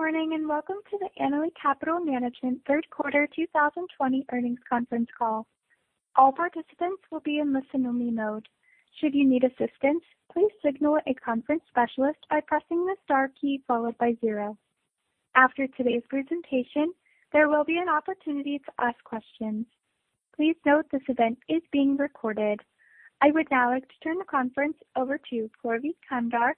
Good morning and welcome to the Annaly Capital Management third quarter 2020 earnings conference call. All participants will be in listen-only mode. Should you need assistance, please signal a conference specialist by pressing the star key followed by zero. After today's presentation, there will be an opportunity to ask questions. Please note this event is being recorded. I would now like to turn the conference over to Purvi Kamdar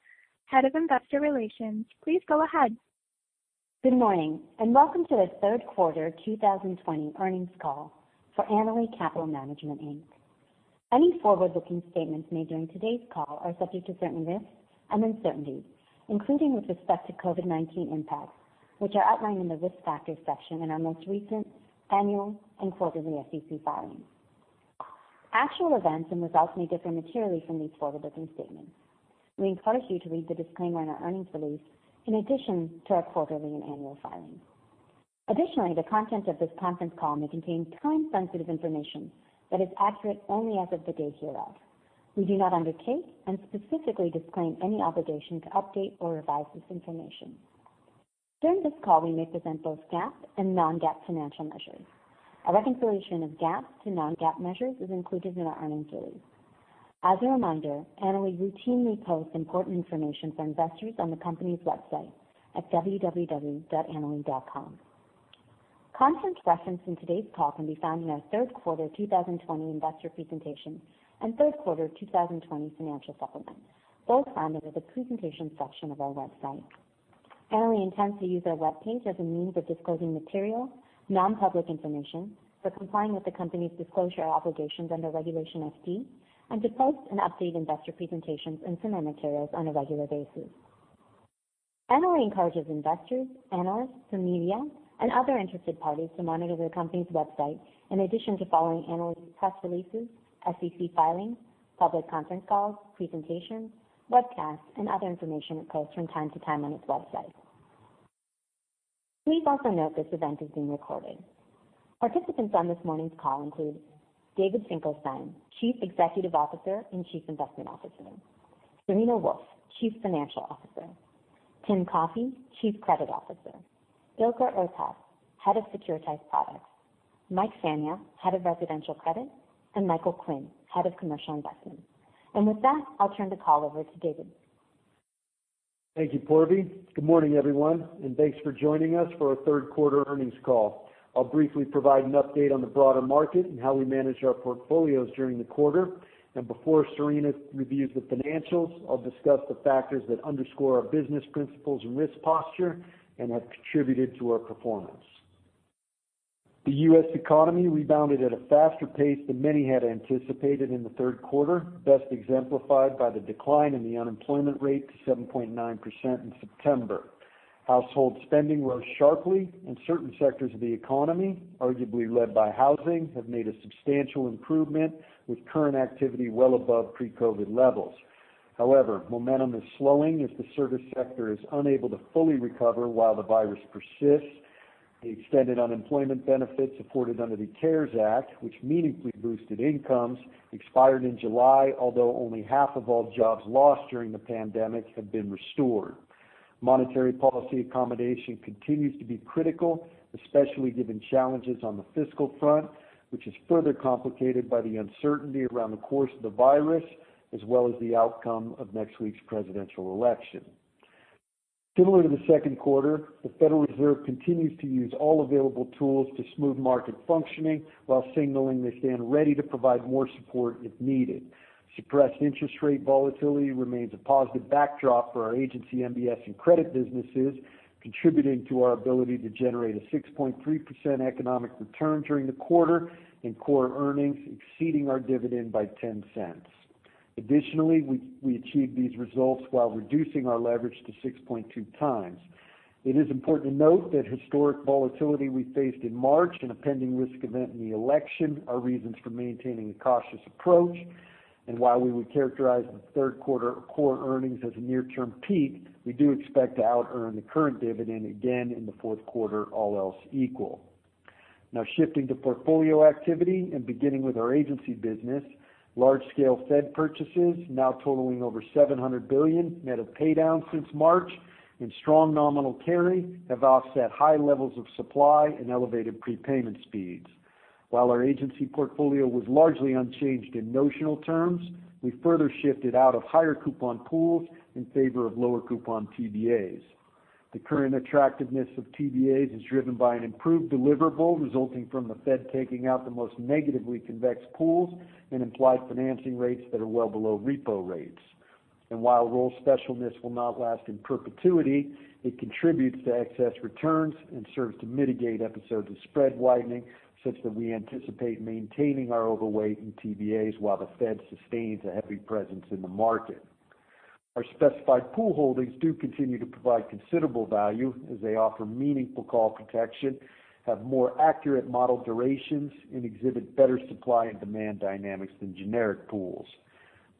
Good morning and welcome to the third quarter 2020 earnings call for Annaly Capital Management Inc. Any forward-looking statements made during today's call are subject to certain risks and uncertainties, including with respect to COVID-19 impacts, which are outlined in the risk factors section in our most recent annual and quarterly SEC filings. Actual events and results may differ materially from these forward-looking statements. We encourage you to read the disclaimer in our earnings release in addition to our quarterly and annual filings. Additionally, the content of this conference call may contain time-sensitive information that is accurate only as of the date hereof. We do not undertake and specifically disclaim any obligation to update or revise this information. During this call, we may present both GAAP and non-GAAP financial measures. A reconciliation of GAAP to non-GAAP measures is included in our earnings release. As a reminder, Annaly routinely posts important information for investors on the company's website at www.annaly.com. Content referenced in today's call can be found in our third quarter 2020 investor presentation and third quarter 2020 financial supplement, both found under the presentation section of our website. Annaly intends to use our webpage as a means of disclosing material, non-public information for complying with the company's disclosure obligations under Regulation FD and to post and update investor presentations and semi-annual materials on a regular basis. Annaly encourages investors, analysts, the media, and other interested parties to monitor the company's website in addition to following Annaly's press releases, SEC filings, public conference calls, presentations, webcasts, and other information it posts from time to time on its website. Please also note this event is being recorded. Participants on this morning's call include David Finkelstein, Chief Executive Officer and Chief Investment Officer, Serena Wolfe, Chief Financial Officer, Tim Coffey, Chief Credit Officer, Ilker Ertas, Head of Securitized Products, Mike Fania, Head of Residential Credit, and Michael Quinn, Head of Commercial Investments. And with that, I'll turn the call over to David. Thank you, Purvi. Good morning, everyone, and thanks for joining us for our third quarter earnings call. I'll briefly provide an update on the broader market and how we manage our portfolios during the quarter. Before Serena reviews the financials, I'll discuss the factors that underscore our business principles and risk posture and have contributed to our performance. The U.S. economy rebounded at a faster pace than many had anticipated in the third quarter, best exemplified by the decline in the unemployment rate to 7.9% in September. Household spending rose sharply, and certain sectors of the economy, arguably led by housing, have made a substantial improvement with current activity well above pre-COVID levels. However, momentum is slowing as the service sector is unable to fully recover while the virus persists. The extended unemployment benefits afforded under the CARES Act, which meaningfully boosted incomes, expired in July, although only half of all jobs lost during the pandemic have been restored. Monetary policy accommodation continues to be critical, especially given challenges on the fiscal front, which is further complicated by the uncertainty around the course of the virus as well as the outcome of next week's presidential election. Similar to the second quarter, the Federal Reserve continues to use all available tools to smooth market functioning while signaling they stand ready to provide more support if needed. Suppressed interest rate volatility remains a positive backdrop for our Agency MBS and credit businesses, contributing to our ability to generate a 6.3% economic return during the quarter and core earnings exceeding our dividend by $0.10. Additionally, we achieved these results while reducing our leverage to 6.2 times. It is important to note that historical volatility we faced in March and a pending risk event in the election are reasons for maintaining a cautious approach. While we would characterize the third quarter core earnings as a near-term peak, we do expect to out-earn the current dividend again in the fourth quarter, all else equal. Now, shifting to portfolio activity and beginning with our Agency business, large scale Fed purchases, now totaling over $700 billion, net of paydowns since March and strong nominal carry, have offset high levels of supply and elevated prepayment speeds. While our Agency portfolio was largely unchanged in notional terms, we further shifted out of higher coupon pools in favor of lower coupon TBAs. The current attractiveness of TBAs is driven by an improved deliverable resulting from the Fed taking out the most negatively convex pools and implied financing rates that are well below repo rates, and while roll specialness will not last in perpetuity, it contributes to excess returns and serves to mitigate episodes of spread widening such that we anticipate maintaining our overweight in TBAs while the Fed sustains a heavy presence in the market. Our specified pool holdings do continue to provide considerable value as they offer meaningful call protection, have more accurate model durations, and exhibit better supply and demand dynamics than generic pools.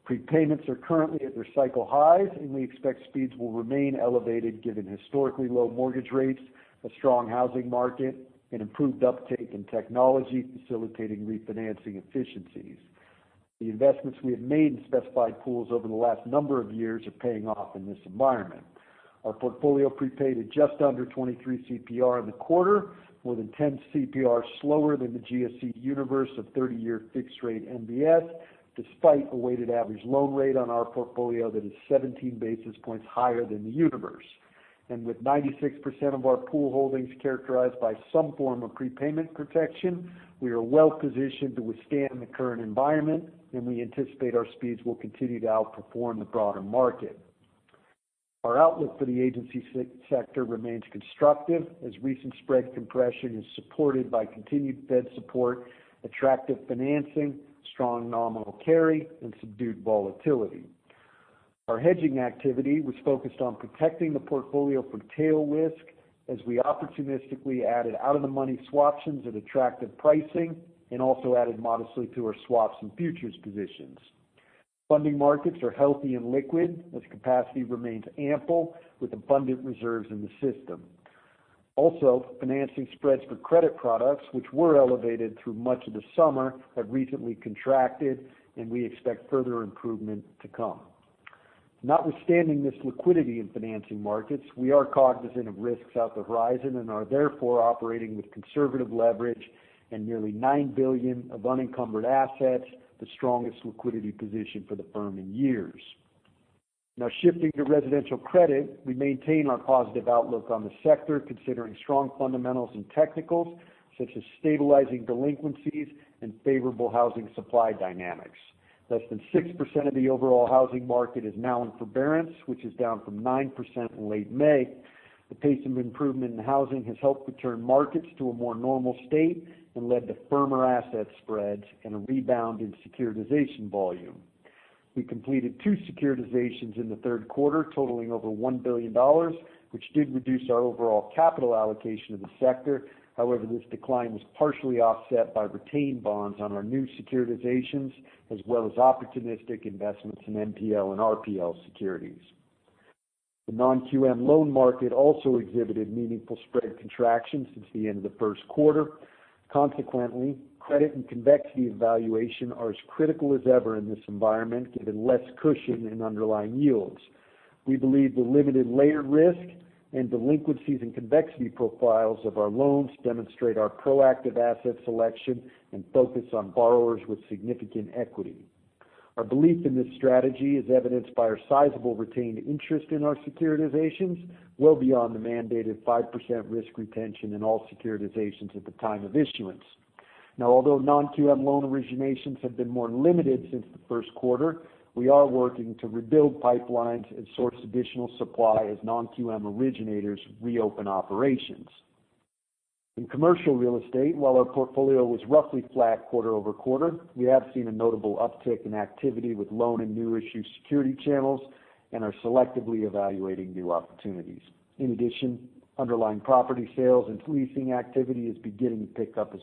Prepayments are currently at their cycle highs, and we expect speeds will remain elevated given historically low mortgage rates, a strong housing market, and improved uptake in technology facilitating refinancing efficiencies. The investments we have made in specified pools over the last number of years are paying off in this environment. Our portfolio prepaid at just under 23 CPR in the quarter, more than 10 CPR slower than the GSE universe of 30-year fixed-rate MBS, despite a weighted average loan rate on our portfolio that is 17 basis points higher than the universe, and with 96% of our pool holdings characterized by some form of prepayment protection, we are well positioned to withstand the current environment, and we anticipate our speeds will continue to outperform the broader market. Our outlook for the Agency sector remains constructive as recent spread compression is supported by continued Fed support, attractive financing, strong nominal carry, and subdued volatility. Our hedging activity was focused on protecting the portfolio from tail risk as we opportunistically added out-of-the-money swaptions at attractive pricing and also added modestly to our swaps and futures positions. Funding markets are healthy and liquid as capacity remains ample with abundant reserves in the system. Also, financing spreads for credit products, which were elevated through much of the summer, have recently contracted, and we expect further improvement to come. Notwithstanding this liquidity in financing markets, we are cognizant of risks on the horizon and are therefore operating with conservative leverage and nearly $9 billion of unencumbered assets, the strongest liquidity position for the firm in years. Now, shifting to residential credit, we maintain our positive outlook on the sector considering strong fundamentals and technicals such as stabilizing delinquencies and favorable housing supply dynamics. Less than 6% of the overall housing market is now in forbearance, which is down from 9% in late May. The pace of improvement in housing has helped return markets to a more normal state and led to firmer asset spreads and a rebound in securitization volume. We completed two securitizations in the third quarter totaling over $1 billion, which did reduce our overall capital allocation of the sector. However, this decline was partially offset by retained bonds on our new securitizations as well as opportunistic investments in NPL and RPL securities. The Non-QM loan market also exhibited meaningful spread contractions since the end of the first quarter. Consequently, credit and convexity evaluation are as critical as ever in this environment, given less cushion in underlying yields. We believe the limited layered risk and delinquencies and convexity profiles of our loans demonstrate our proactive asset selection and focus on borrowers with significant equity. Our belief in this strategy is evidenced by our sizable retained interest in our securitizations, well beyond the mandated 5% risk retention in all securitizations at the time of issuance. Now, although Non-QM loan originations have been more limited since the first quarter, we are working to rebuild pipelines and source additional supply as Non-QM originators reopen operations. In commercial real estate, while our portfolio was roughly flat quarter over quarter, we have seen a notable uptick in activity with loan and new-issue security channels and are selectively evaluating new opportunities. In addition, underlying property sales and leasing activity is beginning to pick up as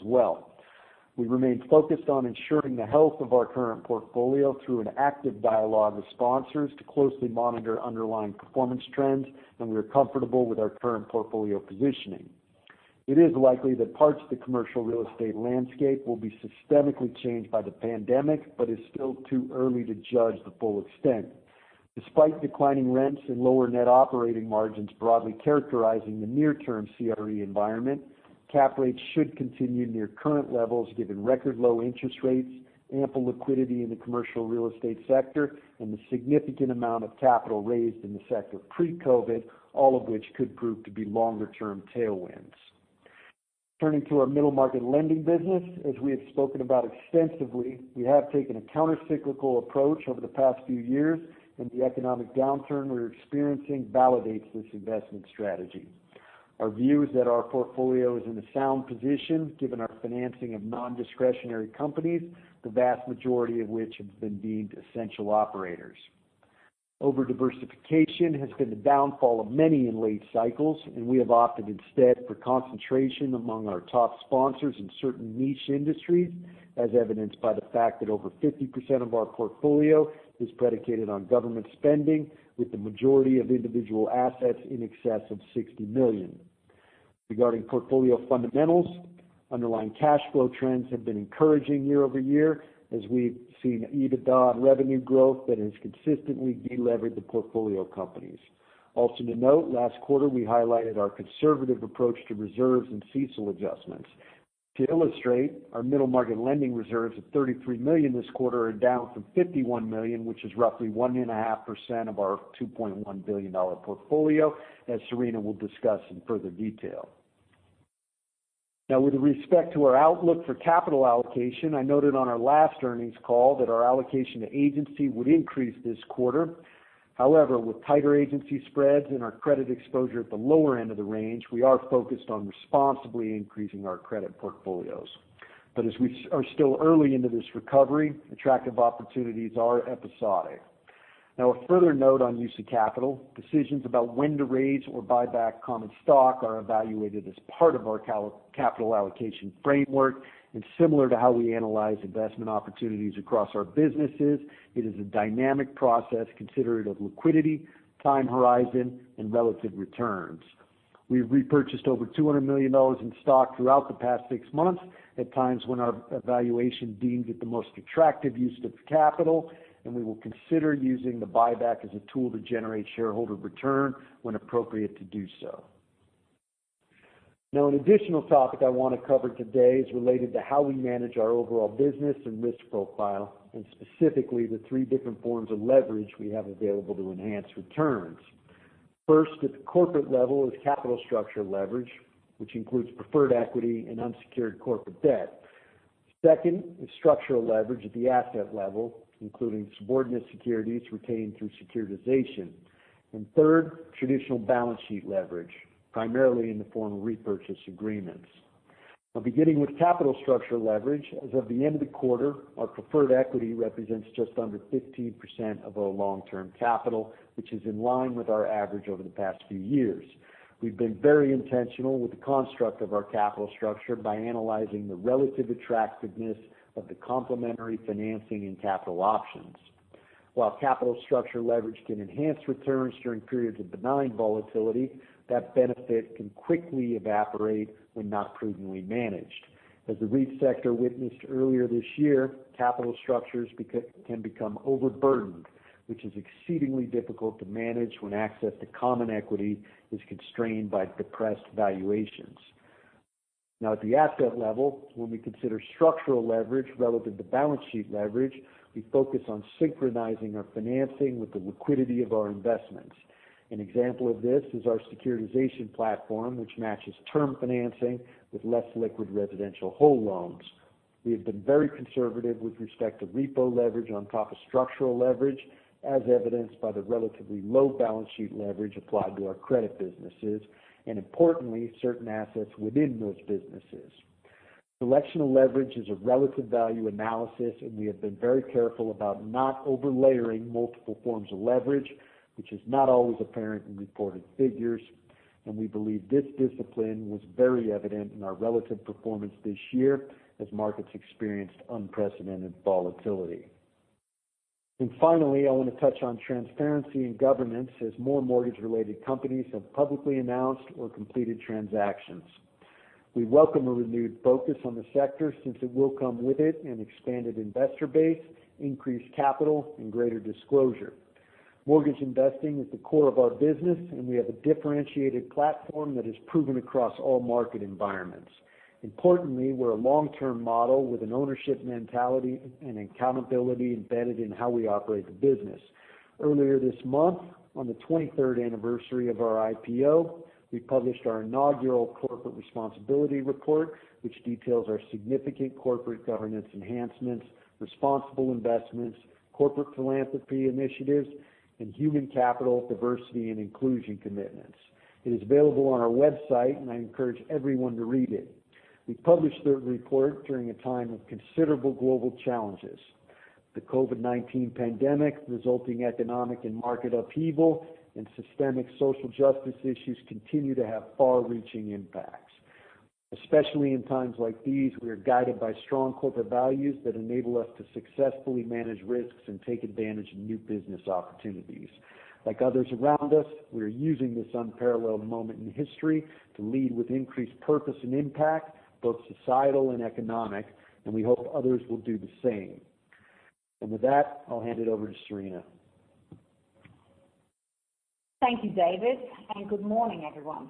well. We remain focused on ensuring the health of our current portfolio through an active dialogue with sponsors to closely monitor underlying performance trends, and we are comfortable with our current portfolio positioning. It is likely that parts of the commercial real estate landscape will be systemically changed by the pandemic, but it's still too early to judge the full extent. Despite declining rents and lower net operating margins broadly characterizing the near-term CRE environment, cap rates should continue near current levels given record low interest rates, ample liquidity in the commercial real estate sector, and the significant amount of capital raised in the sector pre-COVID, all of which could prove to be longer-term tailwinds. Turning to our middle market lending business, as we have spoken about extensively, we have taken a countercyclical approach over the past few years, and the economic downturn we're experiencing validates this investment strategy. Our view is that our portfolio is in a sound position given our financing of non-discretionary companies, the vast majority of which have been deemed essential operators. Over-diversification has been the downfall of many in late cycles, and we have opted instead for concentration among our top sponsors in certain niche industries, as evidenced by the fact that over 50% of our portfolio is predicated on government spending, with the majority of individual assets in excess of $60 million. Regarding portfolio fundamentals, underlying cash flow trends have been encouraging year over year as we've seen EBITDA and revenue growth that has consistently deleveraged the portfolio companies. Also to note, last quarter we highlighted our conservative approach to reserves and CECL adjustments. To illustrate, our middle market lending reserves of $33 million this quarter are down from $51 million, which is roughly 1.5% of our $2.1 billion portfolio, as Serena will discuss in further detail. Now, with respect to our outlook for capital allocation, I noted on our last earnings call that our allocation to Agency would increase this quarter. However, with tighter Agency spreads and our credit exposure at the lower end of the range, we are focused on responsibly increasing our credit portfolios. But as we are still early into this recovery, attractive opportunities are episodic. Now, a further note on use of capital: decisions about when to raise or buy back common stock are evaluated as part of our capital allocation framework, and similar to how we analyze investment opportunities across our businesses, it is a dynamic process considering liquidity, time horizon, and relative returns. We've repurchased over $200 million in stock throughout the past six months at times when our valuation deemed it the most attractive use of capital, and we will consider using the buyback as a tool to generate shareholder return when appropriate to do so. Now, an additional topic I want to cover today is related to how we manage our overall business and risk profile, and specifically the three different forms of leverage we have available to enhance returns. First, at the corporate level is capital structure leverage, which includes preferred equity and unsecured corporate debt. Second is structural leverage at the asset level, including subordinate securities retained through securitization, and third, traditional balance sheet leverage, primarily in the form of repurchase agreements. Now, beginning with capital structure leverage, as of the end of the quarter, our preferred equity represents just under 15% of our long-term capital, which is in line with our average over the past few years. We've been very intentional with the construct of our capital structure by analyzing the relative attractiveness of the complementary financing and capital options. While capital structure leverage can enhance returns during periods of benign volatility, that benefit can quickly evaporate when not prudently managed. As the REIT sector witnessed earlier this year, capital structures can become overburdened, which is exceedingly difficult to manage when access to common equity is constrained by depressed valuations. Now, at the asset level, when we consider structural leverage relative to balance sheet leverage, we focus on synchronizing our financing with the liquidity of our investments. An example of this is our securitization platform, which matches term financing with less liquid residential whole loans. We have been very conservative with respect to repo leverage on top of structural leverage, as evidenced by the relatively low balance sheet leverage applied to our credit businesses, and importantly, certain assets within those businesses. Selection of leverage is a relative value analysis, and we have been very careful about not over-layering multiple forms of leverage, which is not always apparent in reported figures. And we believe this discipline was very evident in our relative performance this year as markets experienced unprecedented volatility. And finally, I want to touch on transparency and governance as more mortgage related companies have publicly announced or completed transactions. We welcome a renewed focus on the sector since it will come with it an expanded investor base, increased capital, and greater disclosure. Mortgage investing is the core of our business, and we have a differentiated platform that has proven across all market environments. Importantly, we're a long-term model with an ownership mentality and accountability embedded in how we operate the business. Earlier this month, on the 23rd anniversary of our IPO, we published our inaugural corporate responsibility report, which details our significant corporate governance enhancements, responsible investments, corporate philanthropy initiatives, and human capital diversity and inclusion commitments. It is available on our website, and I encourage everyone to read it. We published the report during a time of considerable global challenges. The COVID-19 pandemic, resulting economic and market upheaval, and systemic social justice issues continue to have far-reaching impacts. Especially in times like these, we are guided by strong corporate values that enable us to successfully manage risks and take advantage of new business opportunities. Like others around us, we are using this unparalleled moment in history to lead with increased purpose and impact, both societal and economic, and we hope others will do the same. And with that, I'll hand it over to Serena. Thank you, David, and good morning, everyone.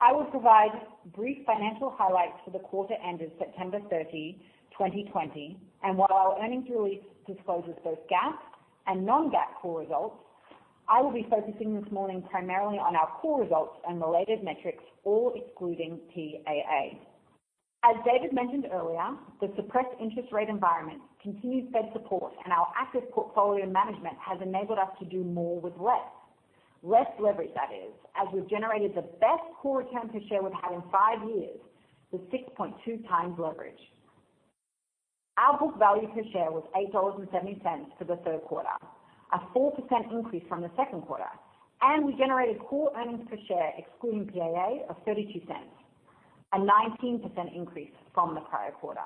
I will provide brief financial highlights for the quarter ending September 30, 2020, and while our earnings release discloses both GAAP and non-GAAP core results, I will be focusing this morning primarily on our core results and related metrics, all excluding PAA. As David mentioned earlier, the suppressed interest rate environment continues Fed support, and our active portfolio management has enabled us to do more with less. Less leverage, that is, as we've generated the best core return per share we've had in five years with 6.2 times leverage. Our book value per share was $8.70 for the third quarter, a 4% increase from the second quarter, and we generated core earnings per share, excluding PAA, of $0.32, a 19% increase from the prior quarter.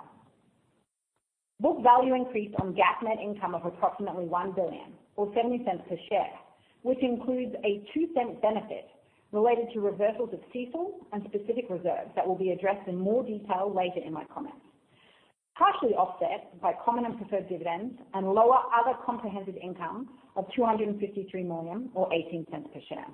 Book value increased on GAAP net income of approximately $1 billion, or $0.70 per share, which includes a $0.2 benefit related to reversals of CECL and specific reserves that will be addressed in more detail later in my comments. Partially offset by common and preferred dividends and lower other comprehensive income of $253 million, or $0.18 per share.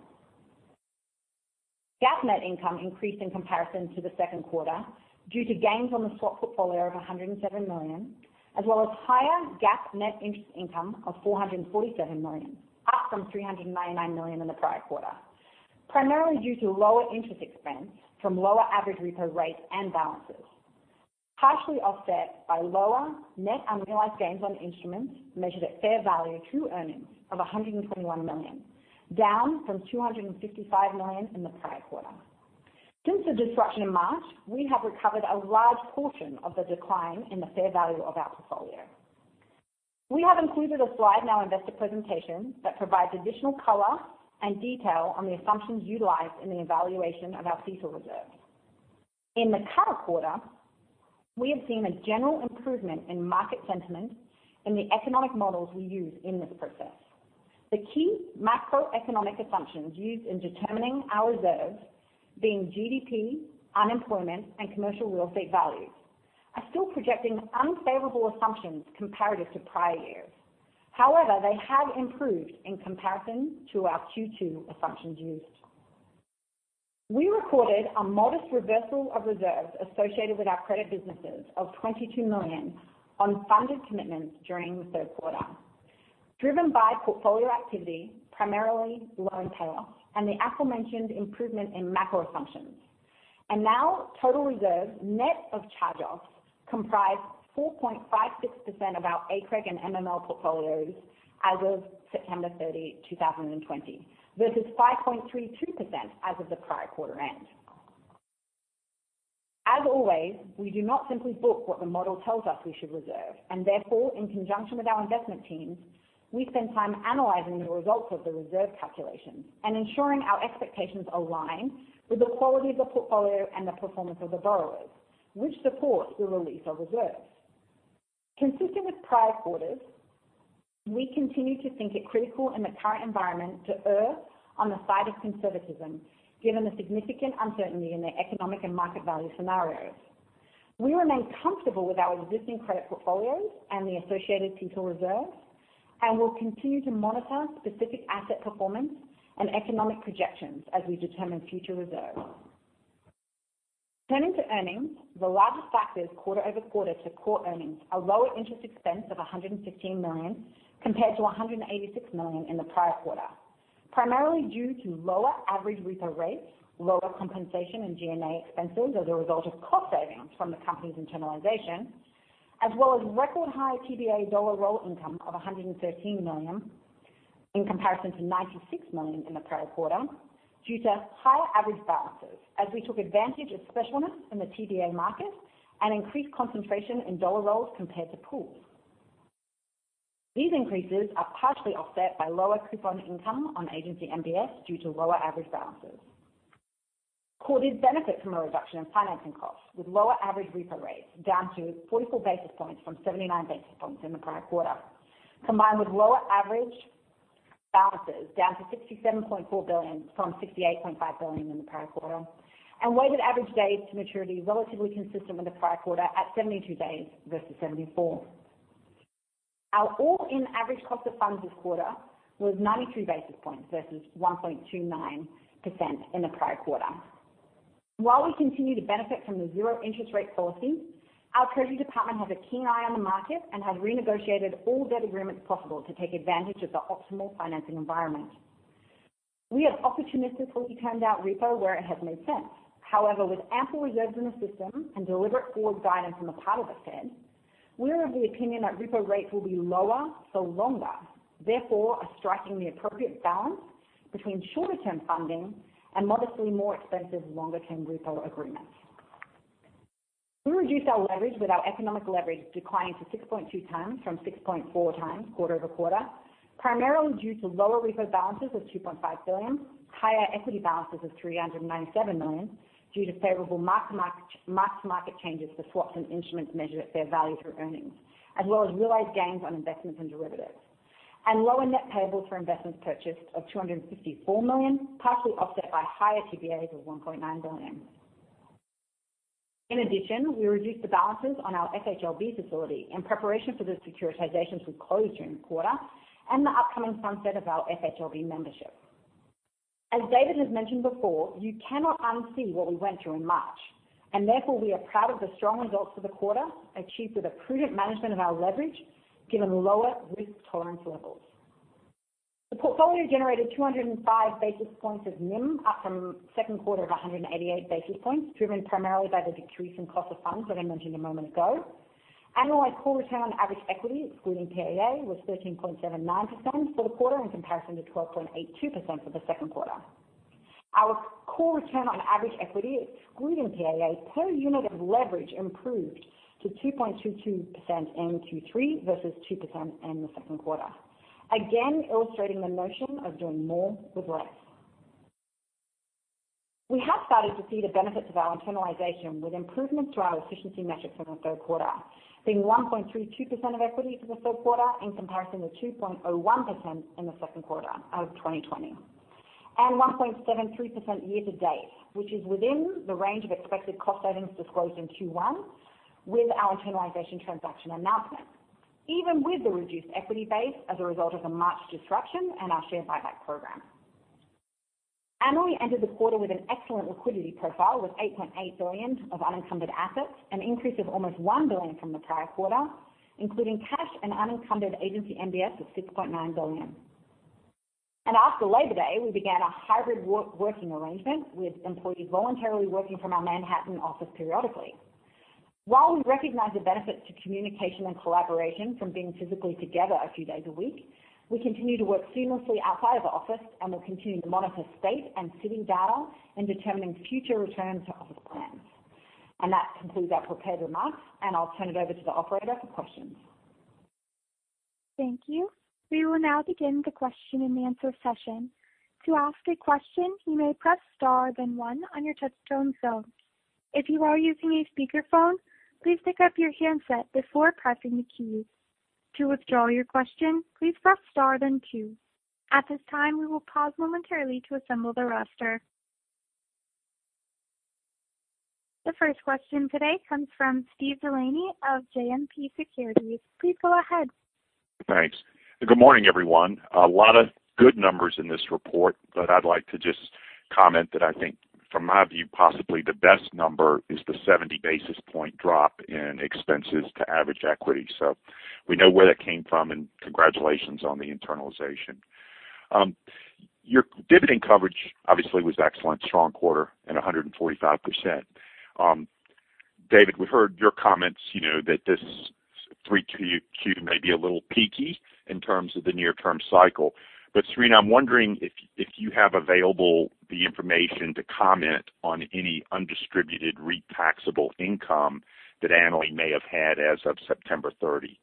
GAAP net income increased in comparison to the second quarter due to gains on the swap portfolio of $107 million, as well as higher GAAP net interest income of $447 million, up from $399 million in the prior quarter, primarily due to lower interest expense from lower average repo rates and balances. Partially offset by lower net unrealized gains on instruments measured at fair value through earnings of $121 million, down from $255 million in the prior quarter. Since the disruption in March, we have recovered a large portion of the decline in the fair value of our portfolio. We have included a slide in our investor presentation that provides additional color and detail on the assumptions utilized in the evaluation of our CECL reserves. In the current quarter, we have seen a general improvement in market sentiment and the economic models we use in this process. The key macroeconomic assumptions used in determining our reserves, being GDP, unemployment, and commercial real estate values, are still projecting unfavorable assumptions comparative to prior years. However, they have improved in comparison to our Q2 assumptions used. We recorded a modest reversal of reserves associated with our credit businesses of $22 million on funded commitments during the third quarter, driven by portfolio activity, primarily loan payoffs, and the aforementioned improvement in macro assumptions. And now, total reserves net of charge-offs comprise 4.56% of our ACREG and MML portfolios as of September 30, 2020, versus 5.32% as of the prior quarter end. As always, we do not simply book what the model tells us we should reserve, and therefore, in conjunction with our investment teams, we spend time analyzing the results of the reserve calculations and ensuring our expectations align with the quality of the portfolio and the performance of the borrowers, which support the release of reserves. Consistent with prior quarters, we continue to think it critical in the current environment to err on the side of conservatism given the significant uncertainty in the economic and market value scenarios. We remain comfortable with our existing credit portfolios and the associated CECL reserves, and we'll continue to monitor specific asset performance and economic projections as we determine future reserves. Turning to earnings, the largest factors quarter over quarter to Core Earnings are lower interest expense of $115 million compared to $186 million in the prior quarter, primarily due to lower average repo rates, lower compensation and G&A expenses as a result of cost savings from the company's internalization, as well as record high TBA dollar roll income of $113 million in comparison to $96 million in the prior quarter due to higher average balances as we took advantage of specialness in the TBA market and increased concentration in dollar rolls compared to pools. These increases are partially offset by lower coupon income on Agency MBS due to lower average balances. Core did benefit from a reduction in financing costs with lower average repo rates down to 44 basis points from 79 basis points in the prior quarter, combined with lower average balances down to $67.4 billion from $68.5 billion in the prior quarter, and weighted average days to maturity relatively consistent with the prior quarter at 72 days versus 74. Our all-in average cost of funds this quarter was 92 basis points versus 1.29% in the prior quarter. While we continue to benefit from the zero interest rate policy, our Treasury Department has a keen eye on the market and has renegotiated all debt agreements possible to take advantage of the optimal financing environment. We have opportunistically turned out repo where it has made sense. However, with ample reserves in the system and deliberate forward guidance on the part of the Fed, we are of the opinion that repo rates will be lower for longer, therefore striking the appropriate balance between shorter-term funding and modestly more expensive longer-term repo agreements. We reduced our leverage with our economic leverage declining to 6.2 times from 6.4 times quarter over quarter, primarily due to lower repo balances of $2.5 billion, higher equity balances of $397 million due to favorable mark-to-market changes for swaps and instruments measured at fair value through earnings, as well as realized gains on investments and derivatives, and lower net payables for investments purchased of $254 million, partially offset by higher TBAs of $1.9 billion. In addition, we reduced the balances on our FHLB facility in preparation for the securitization to close during the quarter and the upcoming sunset of our FHLB membership. As David has mentioned before, you cannot unsee what we went through in March, and therefore we are proud of the strong results for the quarter achieved with a prudent management of our leverage given lower risk tolerance levels. The portfolio generated 205 basis points of NIM, up from second quarter of 188 basis points, driven primarily by the decrease in cost of funds that I mentioned a moment ago. Annualized core return on average equity, excluding PAA, was 13.79% for the quarter in comparison to 12.82% for the second quarter. Our core return on average equity, excluding PAA, per unit of leverage improved to 2.22% in Q3 versus 2% in the second quarter, again illustrating the notion of doing more with less. We have started to see the benefits of our internalization with improvements to our efficiency metrics in the third quarter, being 1.32% of equity for the third quarter in comparison to 2.01% in the second quarter of 2020, and 1.73% year to date, which is within the range of expected cost savings disclosed in Q1 with our internalization transaction announcement, even with the reduced equity base as a result of the March disruption and our share buyback program. Annaly ended the quarter with an excellent liquidity profile with $8.8 billion of unencumbered assets, an increase of almost $1 billion from the prior quarter, including cash and unencumbered Agency MBS of $6.9 billion. And after Labor Day, we began a hybrid working arrangement with employees voluntarily working from our Manhattan office periodically. While we recognize the benefits to communication and collaboration from being physically together a few days a week, we continue to work seamlessly outside of the office and will continue to monitor state and city data in determining future returns to office plans, and that concludes our prepared remarks, and I'll turn it over to the operator for questions. Thank you. We will now begin the question and answer session. To ask a question, you may press star then one on your touch-tone phone. If you are using a speakerphone, please pick up your handset before pressing the keys. To withdraw your question, please press star then two. At this time, we will pause momentarily to assemble the roster. The first question today comes from Steve Delaney of JMP Securities. Please go ahead. Thanks. Good morning, everyone. A lot of good numbers in this report, but I'd like to just comment that I think, from my view, possibly the best number is the 70 basis point drop in expenses to average equity. So we know where that came from, and congratulations on the internalization. Your dividend coverage, obviously, was excellent, strong quarter and 145%. David, we've heard your comments that this 3Q may be a little peaky in terms of the near-term cycle. But Serena, I'm wondering if you have available the information to comment on any undistributed REIT taxable income that Annaly may have had as of September 30.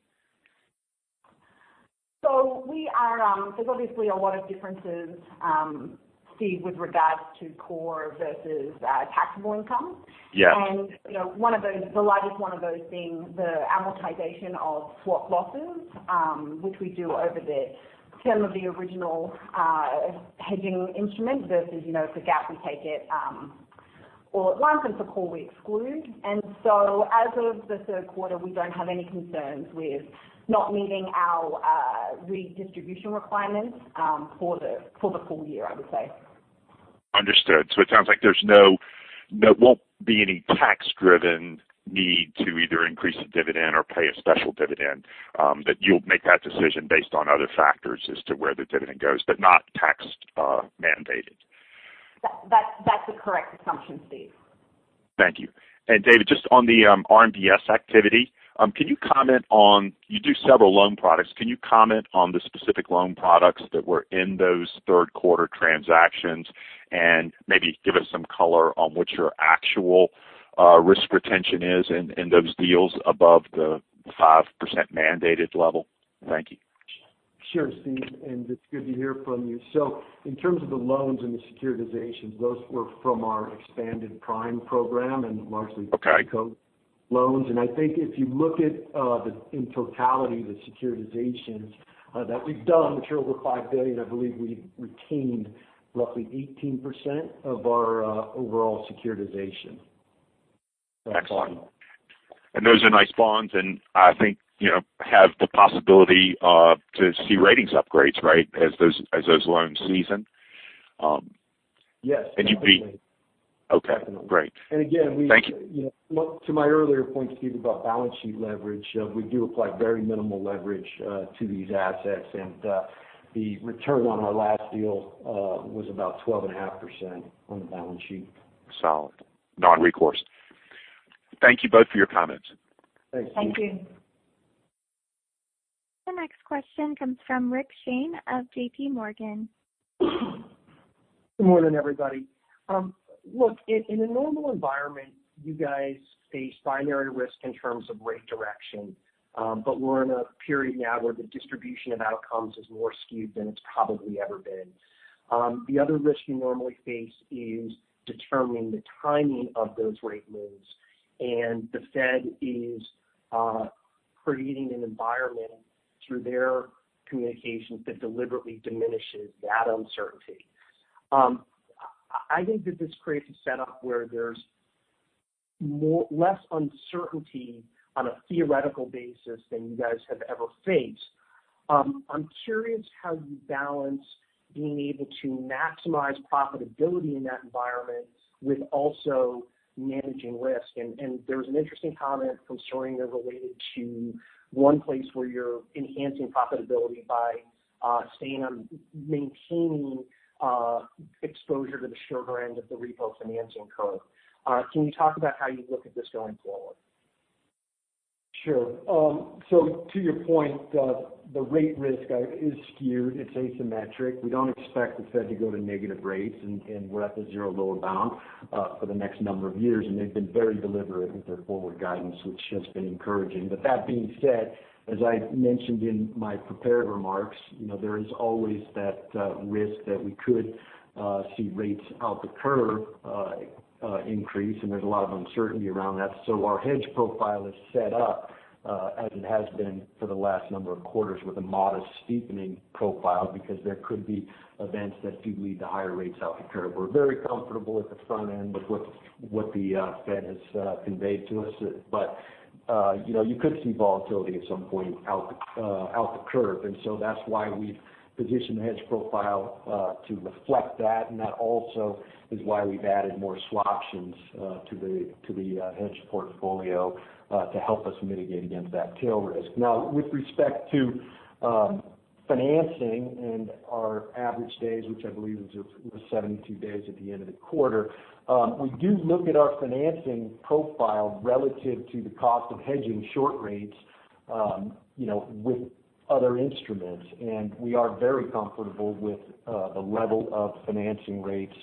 So we are obviously on a lot of differences, Steve, with regards to core versus taxable income. Yes. The largest one of those being the amortization of swap losses, which we do over the term of the original hedging instrument versus for GAAP, we take it all at once, and for core, we exclude. As of the third quarter, we don't have any concerns with not meeting our distribution requirements for the full year, I would say. Understood. So it sounds like there won't be any tax-driven need to either increase the dividend or pay a special dividend, that you'll make that decision based on other factors as to where the dividend goes, but not tax-mandated. That's the correct assumption, Steve. Thank you. And David, just on the RMBS activity, can you comment on (you do several loan products) can you comment on the specific loan products that were in those third-quarter transactions and maybe give us some color on what your actual risk retention is in those deals above the 5% mandated level? Thank you. Sure, Steve, and it's good to hear from you. So in terms of the loans and the securitizations, those were from our Expanded Prime program and largely pre-COVID loans. And I think if you look at, in totality, the securitizations that we've done, which are over $5 billion, I believe we've retained roughly 18% of our overall securitization. Excellent. And those are nice bonds, and I think have the possibility to see ratings upgrades, right, as those loans season? Yes, definitely. And you'd be okay, great. Again, to my earlier point, Steve, about balance sheet leverage, we do apply very minimal leverage to these assets, and the return on our last deal was about 12.5% on the balance sheet. Solid. Non-recourse. Thank you both for your comments. Thanks. Thank you. The next question comes from Rick Shane of JPMorgan. Good morning, everybody. Look, in a normal environment, you guys face binary risk in terms of rate direction, but we're in a period now where the distribution of outcomes is more skewed than it's probably ever been. The other risk you normally face is determining the timing of those rate moves, and the Fed is creating an environment through their communications that deliberately diminishes that uncertainty. I think that this creates a setup where there's less uncertainty on a theoretical basis than you guys have ever faced. I'm curious how you balance being able to maximize profitability in that environment with also managing risk. And there was an interesting comment from Serena related to one place where you're enhancing profitability by maintaining exposure to the shorter end of the repo financing curve. Can you talk about how you look at this going forward? Sure. So to your point, the rate risk is skewed. It's asymmetric. We don't expect the Fed to go to negative rates, and we're at the zero lower bound for the next number of years, and they've been very deliberate with their forward guidance, which has been encouraging. But that being said, as I mentioned in my prepared remarks, there is always that risk that we could see rates out the curve increase, and there's a lot of uncertainty around that. So our hedge profile is set up as it has been for the last number of quarters with a modest steepening profile because there could be events that do lead to higher rates out the curve. We're very comfortable at the front end with what the Fed has conveyed to us, but you could see volatility at some point out the curve. That's why we've positioned the hedge profile to reflect that, and that also is why we've added more swaptions to the hedge portfolio to help us mitigate against that tail risk. Now, with respect to financing and our average days, which I believe was 72 days at the end of the quarter, we do look at our financing profile relative to the cost of hedging short rates with other instruments, and we are very comfortable with the level of financing rates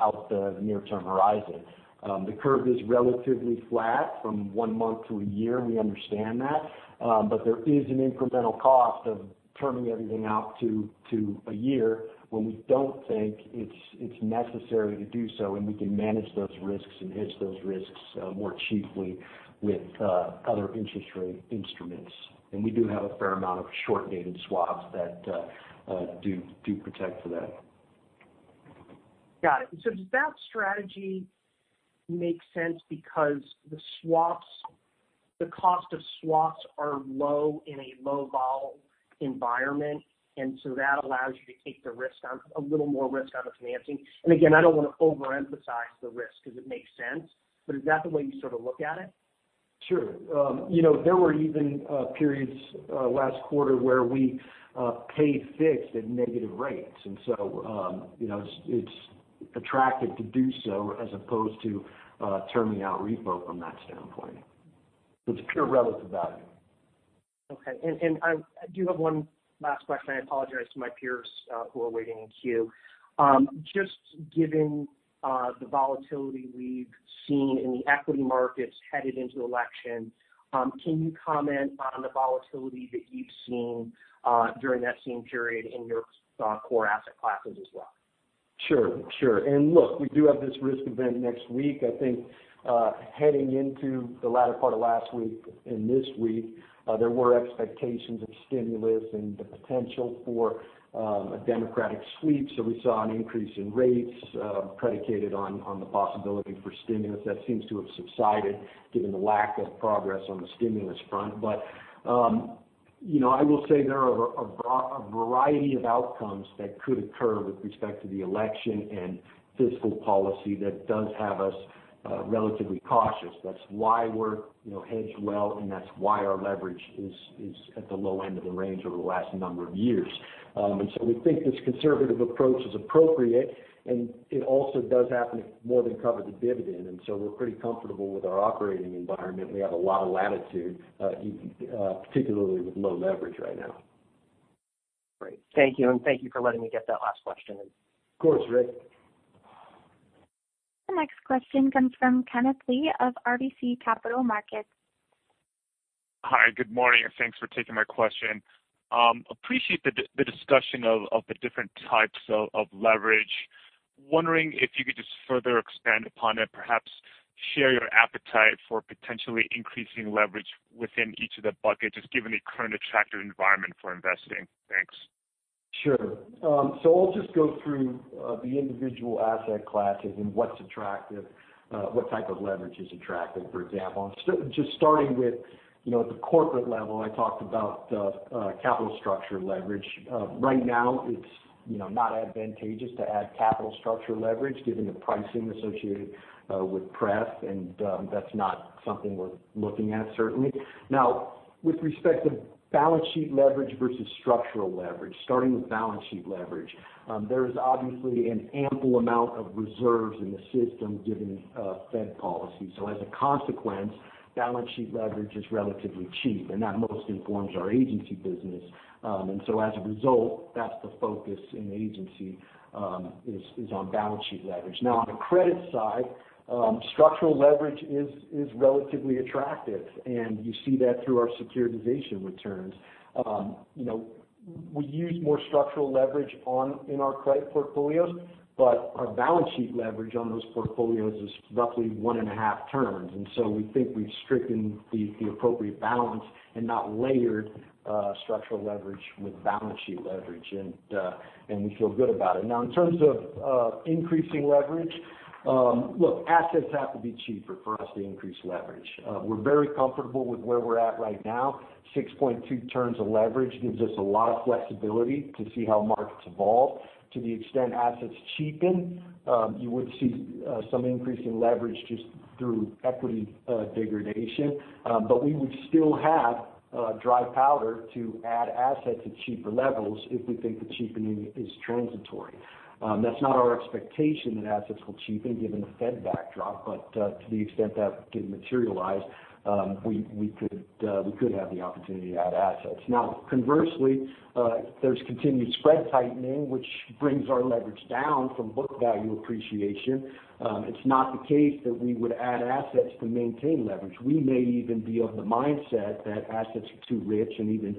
out the near-term horizon. The curve is relatively flat from one month to a year, and we understand that, but there is an incremental cost of turning everything out to a year when we don't think it's necessary to do so, and we can manage those risks and hedge those risks more cheaply with other interest rate instruments. We do have a fair amount of short-dated swaps that do protect for that. Got it. So does that strategy make sense because the cost of swaps are low in a low vol environment, and so that allows you to take a little more risk out of financing? And again, I don't want to overemphasize the risk because it makes sense, but is that the way you sort of look at it? Sure. There were even periods last quarter where we paid fixed at negative rates, and so it's attractive to do so as opposed to turning out repo from that standpoint. It's pure relative value. Okay. And I do have one last question. I apologize to my peers who are waiting in queue. Just given the volatility we've seen in the equity markets headed into election, can you comment on the volatility that you've seen during that same period in your core asset classes as well? Sure. Sure. And look, we do have this risk event next week. I think heading into the latter part of last week and this week, there were expectations of stimulus and the potential for a Democratic sweep. So we saw an increase in rates predicated on the possibility for stimulus. That seems to have subsided given the lack of progress on the stimulus front. But I will say there are a variety of outcomes that could occur with respect to the election and fiscal policy that does have us relatively cautious. That's why we're hedged well, and that's why our leverage is at the low end of the range over the last number of years. And so we think this conservative approach is appropriate, and it also does happen to more than cover the dividend. And so we're pretty comfortable with our operating environment. We have a lot of latitude, particularly with low leverage right now. Great. Thank you, and thank you for letting me get that last question. Of course, Rick. The next question comes from Kenneth Lee of RBC Capital Markets. Hi, good morning, and thanks for taking my question. Appreciate the discussion of the different types of leverage. Wondering if you could just further expand upon it, perhaps share your appetite for potentially increasing leverage within each of the buckets, just given the current attractive environment for investing. Thanks. Sure. So I'll just go through the individual asset classes and what's attractive, what type of leverage is attractive, for example. Just starting with the corporate level, I talked about capital structure leverage. Right now, it's not advantageous to add capital structure leverage given the pricing associated with pref, and that's not something we're looking at, certainly. Now, with respect to balance sheet leverage versus structural leverage, starting with balance sheet leverage, there is obviously an ample amount of reserves in the system given Fed policy. So as a consequence, balance sheet leverage is relatively cheap, and that mostly informs our agency business. And so as a result, that's the focus in the agency is on balance sheet leverage. Now, on the credit side, structural leverage is relatively attractive, and you see that through our securitization returns. We use more structural leverage in our credit portfolios, but our balance sheet leverage on those portfolios is roughly one and a half turns, and so we think we've struck the appropriate balance and not layered structural leverage with balance sheet leverage, and we feel good about it. Now, in terms of increasing leverage, look, assets have to be cheaper for us to increase leverage. We're very comfortable with where we're at right now. 6.2 turns of leverage gives us a lot of flexibility to see how markets evolve. To the extent assets cheapen, you would see some increase in leverage just through equity degradation, but we would still have dry powder to add assets at cheaper levels if we think the cheapening is transitory. That's not our expectation that assets will cheapen given the Fed backdrop, but to the extent that didn't materialize, we could have the opportunity to add assets. Now, conversely, there's continued spread tightening, which brings our leverage down from book value appreciation. It's not the case that we would add assets to maintain leverage. We may even be of the mindset that assets are too rich and even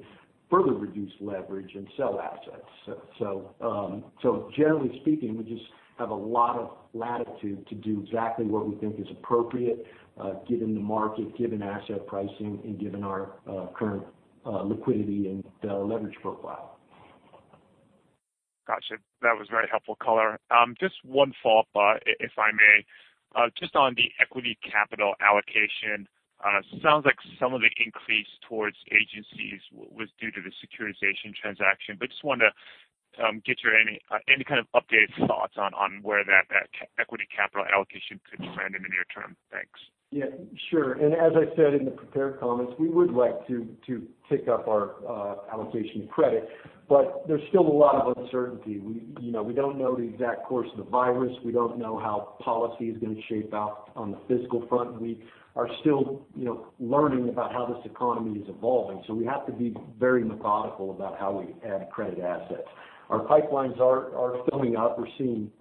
further reduce leverage and sell assets. So generally speaking, we just have a lot of latitude to do exactly what we think is appropriate given the market, given asset pricing, and given our current liquidity and leverage profile. Gotcha. That was very helpful. Just one follow-up, if I may, just on the equity capital allocation. Sounds like some of the increase towards agencies was due to the securitization transaction, but just wanted to get you any kind of updated thoughts on where that equity capital allocation could trend in the near term. Thanks. Yeah. Sure. And as I said in the prepared comments, we would like to tick up our allocation to credit, but there's still a lot of uncertainty. We don't know the exact course of the virus. We don't know how policy is going to play out on the fiscal front. We are still learning about how this economy is evolving, so we have to be very methodical about how we add credit assets. Our pipelines are filling up. We're seeing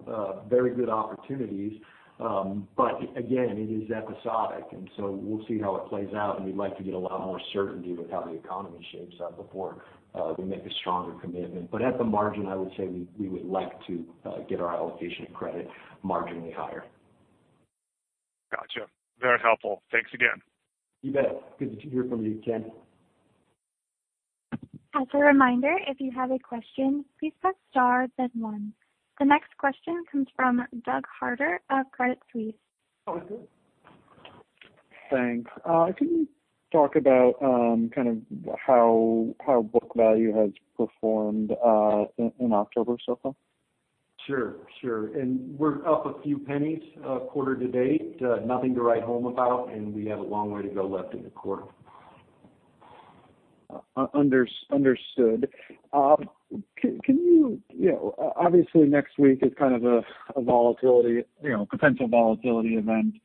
very good opportunities, but again, it is episodic, and so we'll see how it plays out, and we'd like to get a lot more certainty with how the economy shapes up before we make a stronger commitment. But at the margin, I would say we would like to get our allocation to credit marginally higher. Gotcha. Very helpful. Thanks again. You bet. Good to hear from you, Ken. As a reminder, if you have a question, please press star, then one. The next question comes from Doug Harter of Credit Suisse. Thanks. Can you talk about kind of how book value has performed in October so far? Sure. Sure, and we're up a few pennies a quarter to date. Nothing to write home about, and we have a long way to go left in the quarter. Understood. Can you, obviously, next week is kind of a potential volatility event.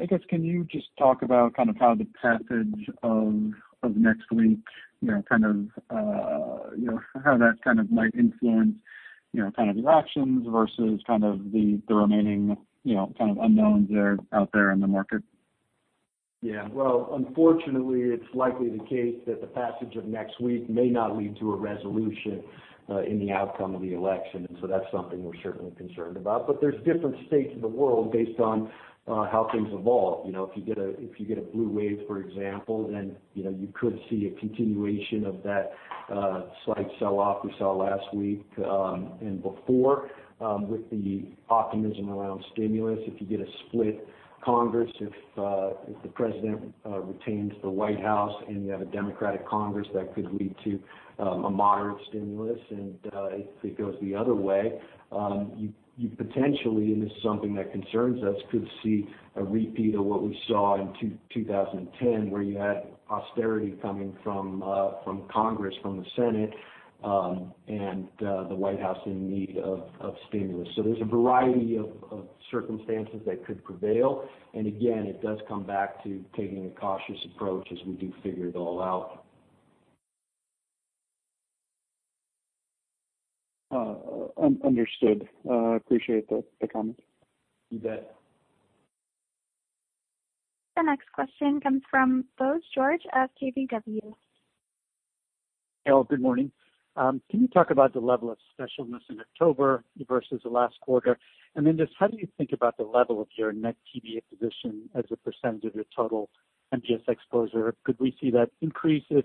I guess, can you just talk about kind of how the passage of next week kind of how that kind of might influence kind of your actions versus kind of the remaining kind of unknowns out there in the market? Yeah. Well, unfortunately, it's likely the case that the passage of next week may not lead to a resolution in the outcome of the election, and so that's something we're certainly concerned about. But there's different states of the world based on how things evolve. If you get a blue wave, for example, then you could see a continuation of that slight sell-off we saw last week and before with the optimism around stimulus. If you get a split Congress, if the president retains the White House and you have a Democratic Congress, that could lead to a moderate stimulus. And if it goes the other way, you potentially, and this is something that concerns us, could see a repeat of what we saw in 2010 where you had austerity coming from Congress, from the Senate, and the White House in need of stimulus. So there's a variety of circumstances that could prevail. And again, it does come back to taking a cautious approach as we do figure it all out. Understood. Appreciate the comment. You bet. The next question comes from Bose George of KBW. Hello. Good morning. Can you talk about the level of specialness in October versus the last quarter? And then just how do you think about the level of your net TBA position as a percentage of your total MBS exposure? Could we see that increase if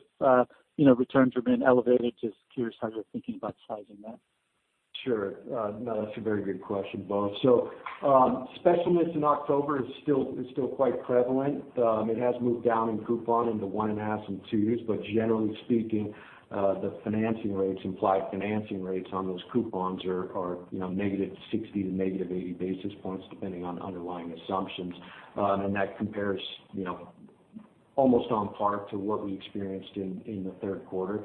returns remain elevated? Just curious how you're thinking about sizing that. Sure. No, that's a very good question, Bose.So specialness in October is still quite prevalent. It has moved down in coupon into one and a half and two years, but generally speaking, the financing rates, implied financing rates on those coupons are negative 60 to negative 80 basis points depending on underlying assumptions. And that compares almost on par to what we experienced in the third quarter.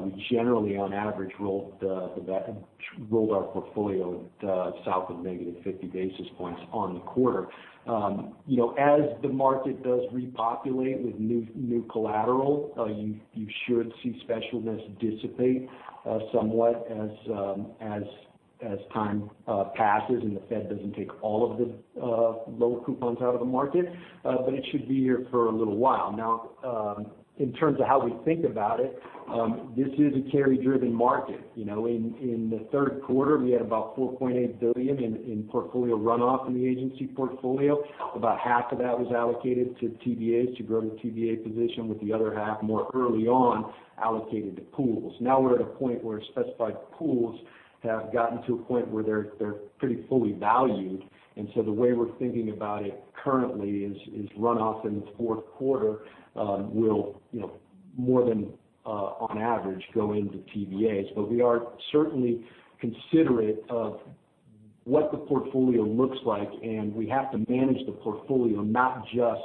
We generally, on average, rolled our portfolio south of negative 50 basis points on the quarter. As the market does repopulate with new collateral, you should see specialness dissipate somewhat as time passes and the Fed doesn't take all of the lower coupons out of the market, but it should be here for a little while. Now, in terms of how we think about it, this is a carry-driven market. In the third quarter, we had about $4.8 billion in portfolio runoff in the agency portfolio. About half of that was allocated to TBAs to grow the TBA position, with the other half more early on allocated to pools. Now we're at a point where specified pools have gotten to a point where they're pretty fully valued. And so the way we're thinking about it currently is runoff in the fourth quarter will more than on average go into TBAs. But we are certainly considerate of what the portfolio looks like, and we have to manage the portfolio not just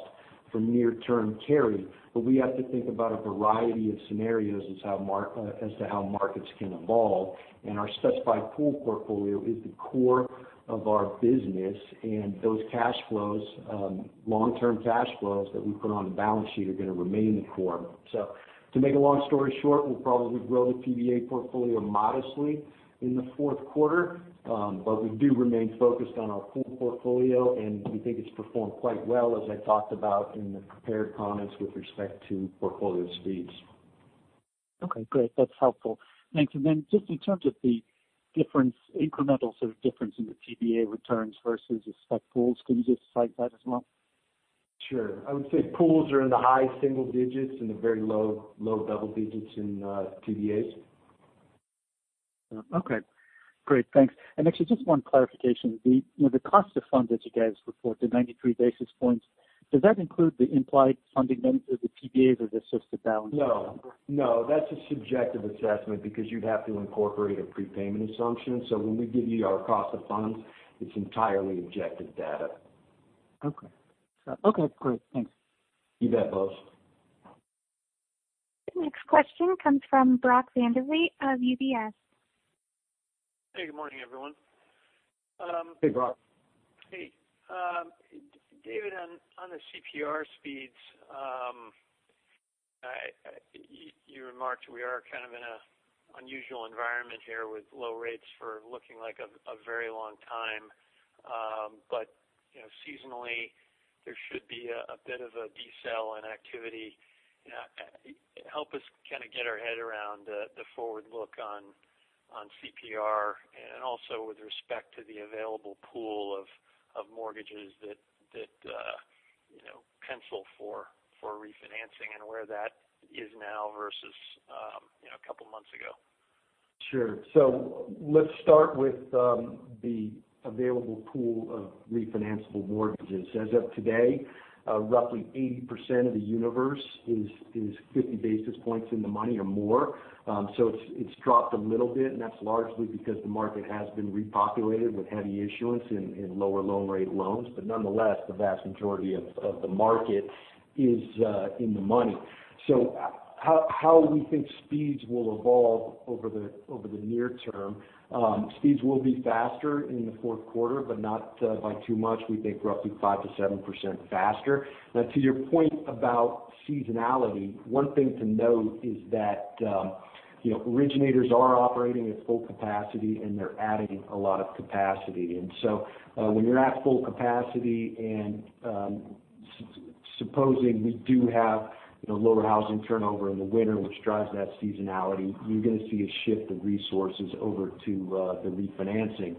for near-term carry, but we have to think about a variety of scenarios as to how markets can evolve. And our specified pool portfolio is the core of our business, and those cash flows, long-term cash flows that we put on the balance sheet are going to remain the core. So to make a long story short, we'll probably grow the TBA portfolio modestly in the fourth quarter, but we do remain focused on our pool portfolio, and we think it's performed quite well, as I talked about in the prepared comments with respect to portfolio speeds. Okay. Great. That's helpful. Thanks. And then just in terms of the incremental sort of difference in the TBA returns versus the spec pools, can you just cite that as well? Sure. I would say pools are in the high single digits and the very low double digits in TBAs. Okay. Great. Thanks. And actually, just one clarification. The cost of funds that you guys report, the 93 basis points, does that include the implied funding then through the TBAs or just the balance sheet? No. No. That's a subjective assessment because you'd have to incorporate a prepayment assumption. So when we give you our cost of funds, it's entirely objective data. Okay. Okay. Great. Thanks. You bet, Bose. The next question comes from Brock Vandervliet of UBS. Hey. Good morning, everyone. Hey, Brock. Hey. David, on the CPR speeds, you remarked we are kind of in an unusual environment here with low rates for looking like a very long time, but seasonally there should be a bit of a slowdown in activity. Help us kind of get our head around the forward look on CPR and also with respect to the available pool of mortgages that pencil for refinancing and where that is now versus a couple of months ago. Sure. So let's start with the available pool of refinanceable mortgages. As of today, roughly 80% of the universe is 50 basis points in the money or more. So it's dropped a little bit, and that's largely because the market has been repopulated with heavy issuance in lower loan rate loans. But nonetheless, the vast majority of the market is in the money. So how we think speeds will evolve over the near term. Speeds will be faster in the fourth quarter, but not by too much. We think roughly 5%-7% faster. Now, to your point about seasonality, one thing to note is that originators are operating at full capacity, and they're adding a lot of capacity. When you're at full capacity and supposing we do have lower housing turnover in the winter, which drives that seasonality, you're going to see a shift of resources over to the refinancing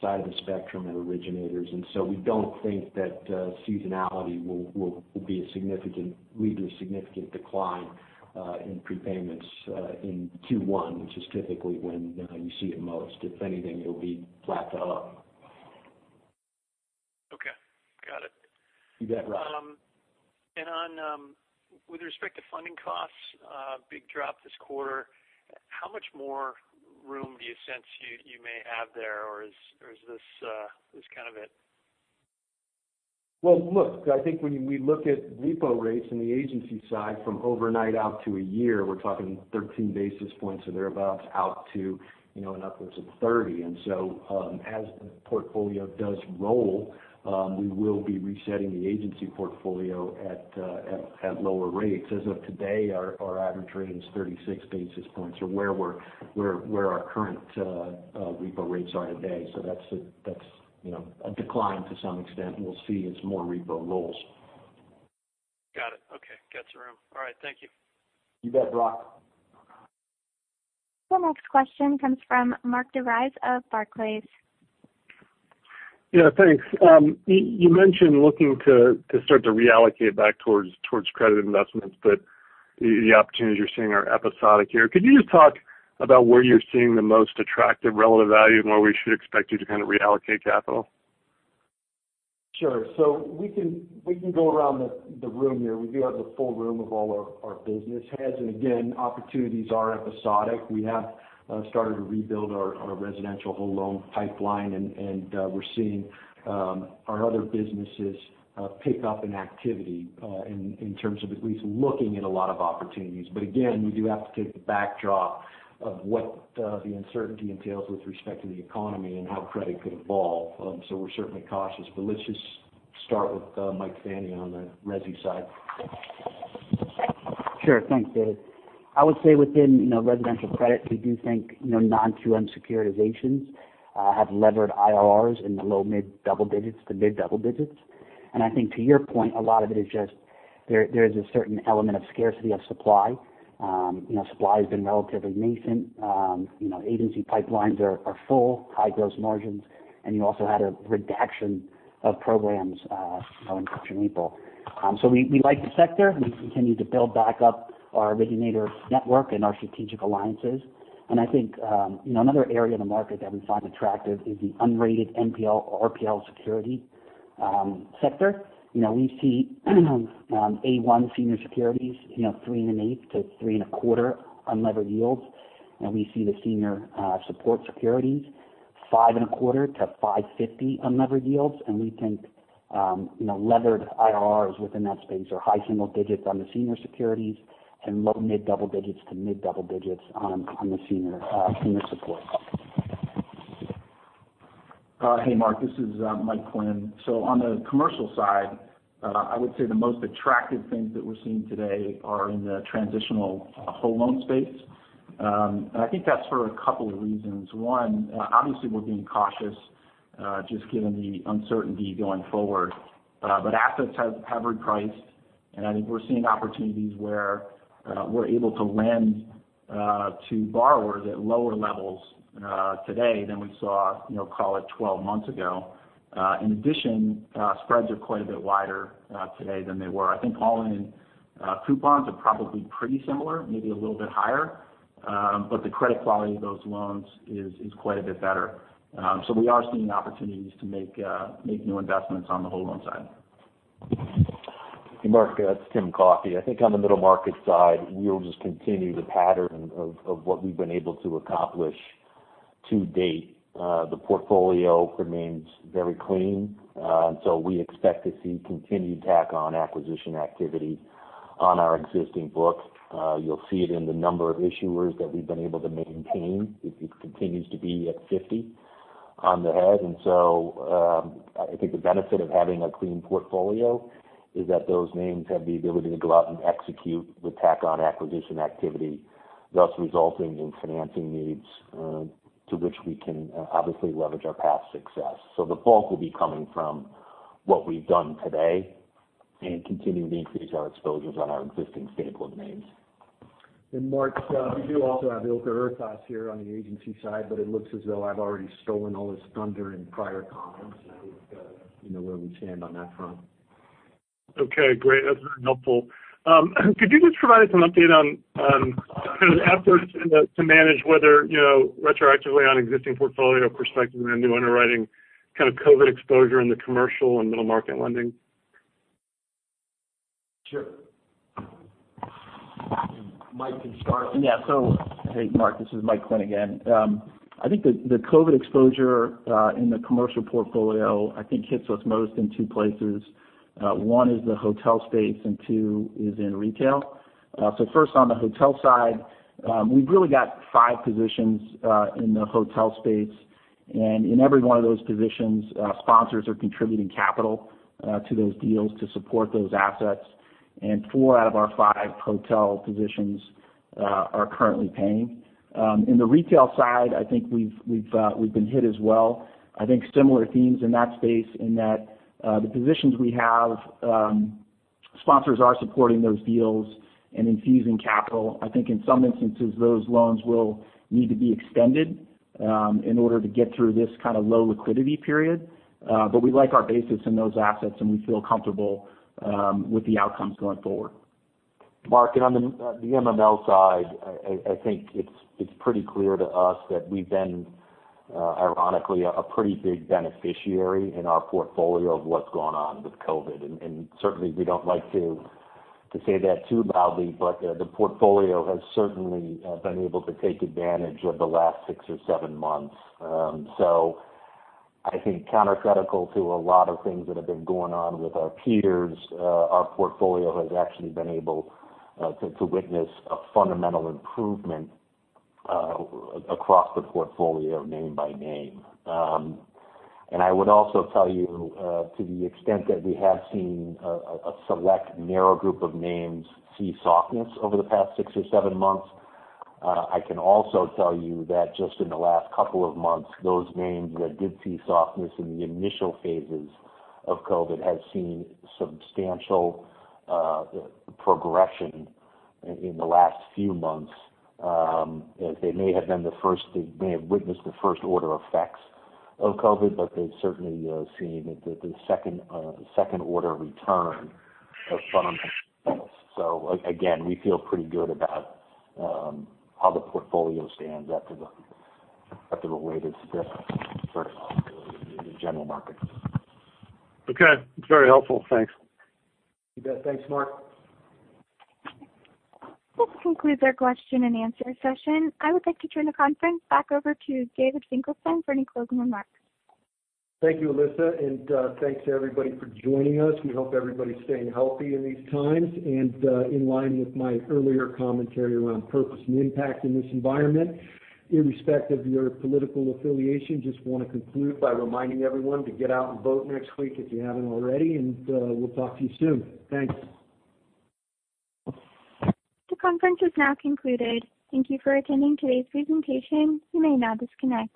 side of the spectrum at originators. We don't think that seasonality will lead to a significant decline in prepayments in Q1, which is typically when you see it most. If anything, it'll be flat to up. Okay. Got it. You bet, Brock With respect to funding costs, big drop this quarter. How much more room do you sense you may have there, or is this kind of it? Look, I think when we look at repo rates on the agency side from overnight out to a year, we're talking 13 basis points. So they're about out to upwards of 30. And so as the portfolio does roll, we will be resetting the agency portfolio at lower rates. As of today, our average rate is 36 basis points or where our current repo rates are today. So that's a decline to some extent. We'll see as more repo rolls. Got it. Okay.. All right. Thank you. You bet, Brock. The next question comes from Mark DeVries of Barclays. Yeah. Thanks. You mentioned looking to start to reallocate back towards credit investments, but the opportunities you're seeing are episodic here. Could you just talk about where you're seeing the most attractive relative value and where we should expect you to kind of reallocate capital? Sure. So we can go around the room here. We do have the full room of all our business heads. And again, opportunities are episodic. We have started to rebuild our residential whole loan pipeline, and we're seeing our other businesses pick up in activity in terms of at least looking at a lot of opportunities. But again, we do have to take the backdrop of what the uncertainty entails with respect to the economy and how credit could evolve. So we're certainly cautious, but let's just start with Mike Fania on the Resi side. Sure. Thanks, David. I would say within residential credit, we do think non-QM securitizations have levered IRRs in the low mid double digits to mid double digits, and I think to your point, a lot of it is just, there is a certain element of scarcity of supply. Supply has been relatively nascent. Agency pipelines are full, high gross margins, and you also had a reduction of programs in September and April, so we like the sector. We continue to build back up our originator network and our strategic alliances, and I think another area of the market that we find attractive is the unrated NPL/RPL security sector. We see A1 senior securities, 3.125-3.25 unlevered yields, and we see the senior support securities, 5.25-5.50 unlevered yields. We think levered IRRs within that space are high single digits on the senior securities and low mid double digits to mid double digits on the senior support. Hey, Mark. This is Mike Quinn. So on the commercial side, I would say the most attractive things that we're seeing today are in the transitional whole loan space. And I think that's for a couple of reasons. One, obviously, we're being cautious just given the uncertainty going forward, but assets have repriced, and I think we're seeing opportunities where we're able to lend to borrowers at lower levels today than we saw, call it, 12 months ago. In addition, spreads are quite a bit wider today than they were. I think all-in coupons are probably pretty similar, maybe a little bit higher, but the credit quality of those loans is quite a bit better. So we are seeing opportunities to make new investments on the whole loan side. Hey, Mark. That's Tim Coffey. I think on the middle market side, we'll just continue the pattern of what we've been able to accomplish to date. The portfolio remains very clean, and so we expect to see continued tack-on acquisition activity on our existing book. You'll see it in the number of issuers that we've been able to maintain. It continues to be at 50 on the head. And so I think the benefit of having a clean portfolio is that those names have the ability to go out and execute with tack-on acquisition activity, thus resulting in financing needs to which we can obviously leverage our past success. So the bulk will be coming from what we've done today and continue to increase our exposures on our existing stable of names. Mark, we do also have Ilker Ertas here on the agency side, but it looks as though I've already stolen all his thunder in prior comments, and I think we know where we stand on that front. Okay. Great. That's very helpful. Could you just provide us an update on kind of the efforts to manage whether retroactively on existing portfolio perspective and a new underwriting kind of COVID exposure in the commercial and middle market lending? Sure. Mike can start. Yeah. So hey, Mark. This is Mike Quinn again. I think the COVID exposure in the commercial portfolio, I think, hits us most in two places. One is the hotel space, and two is in retail. So first, on the hotel side, we've really got five positions in the hotel space. And in every one of those positions, sponsors are contributing capital to those deals to support those assets. And four out of our five hotel positions are currently paying. In the retail side, I think we've been hit as well. I think similar themes in that space in that the positions we have, sponsors are supporting those deals and infusing capital. I think in some instances, those loans will need to be extended in order to get through this kind of low liquidity period. We like our basis in those assets, and we feel comfortable with the outcomes going forward. Mark. On the MML side, I think it's pretty clear to us that we've been, ironically, a pretty big beneficiary in our portfolio of what's going on with COVID. Certainly, we don't like to say that too loudly, but the portfolio has certainly been able to take advantage of the last six or seven months. I think counter-cyclical to a lot of things that have been going on with our peers, our portfolio has actually been able to witness a fundamental improvement across the portfolio name by name. I would also tell you to the extent that we have seen a select narrow group of names see softness over the past six or seven months. I can also tell you that just in the last couple of months, those names that did see softness in the initial phases of COVID have seen substantial progression in the last few months. They may have been the first to witness the first order effects of COVID, but they've certainly seen the second order return of fundamentals. Again, we feel pretty good about how the portfolio stands after the latest sort of general market. Okay. That's very helpful. Thanks. You bet. Thanks, Mark. This concludes our question and answer session. I would like to turn the conference back over to David Finkelstein for any closing remarks. Thank you, Alyssa. And thanks to everybody for joining us. We hope everybody's staying healthy in these times. And in line with my earlier commentary around purpose and impact in this environment, irrespective of your political affiliation, just want to conclude by reminding everyone to get out and vote next week if you haven't already. And we'll talk to you soon. Thanks. The conference is now concluded. Thank you for attending today's presentation. You may now disconnect.